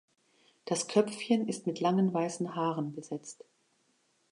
Das Köpfchen ist mit langen weißen Haaren besetzt.